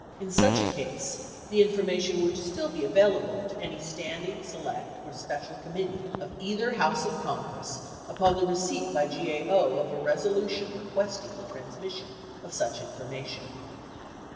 In such a case, the information would still be available to any standing, select or special committee of either House of Congress upon the receipt by GAO of a resolution requesting the transmission of such information.